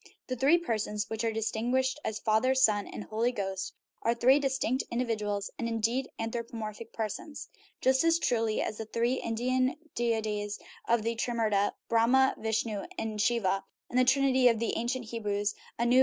The three persons, which are distinguished as Father, Son, and Holy Ghost, are three distinct individuals (and, indeed, anthropomor phic persons), just as truly as the three Indian deities of the Trimurti (Brahma, Vishnu, and Shiva) or the Trinity of the ancient Hebrews (Anu, Bel, and Aa).